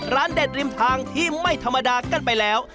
เด็ดริมทางที่ไม่ธรรมดากันไปแล้ว